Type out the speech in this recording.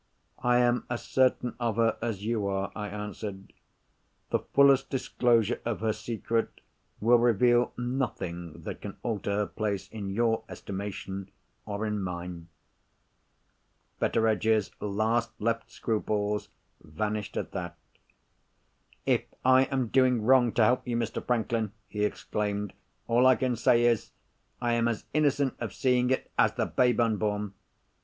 "I am as certain of her as you are," I answered. "The fullest disclosure of her secret will reveal nothing that can alter her place in your estimation, or in mine." Betteredge's last left scruples vanished at that. "If I am doing wrong to help you, Mr. Franklin," he exclaimed, "all I can say is—I am as innocent of seeing it as the babe unborn!